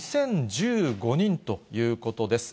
２０１５人ということです。